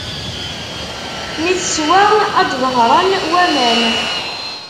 Mi teswa, ad d-ḍehṛen waman.